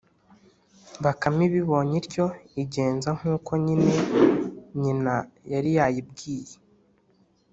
bakame ibibonye ityo, igenza nk’uko nyine nyina yari yayibwiye,